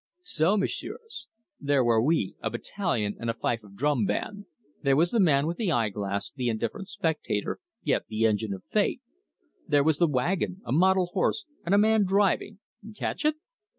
"So, Messieurs. There were we, a battalion and a fife and drum band; there was the man with the eyeglass, the indifferent spectator, yet the engine of fate; there was the wagon, a mottled horse, and a man driving catch it?